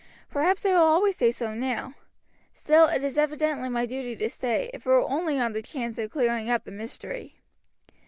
Perhaps they will always say so now; still it is evidently my duty to stay, if it were only on the chance of clearing up the mystery.